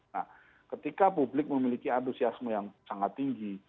nah ketika publik memiliki antusiasme yang sangat tinggi